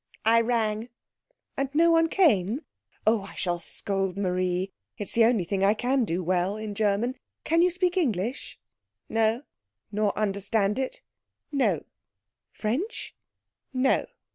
"I rang." "And no one came? Oh, I shall scold Marie. It is the only thing I can do well in German. Can you speak English?" "No." "Nor understand it?" "No." "French?" "No."